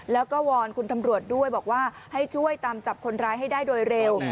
แล้วก็วอนคุณตำรวจด้วยบอกว่าให้ช่วยตามจับคนร้ายให้ได้โดยเร็ว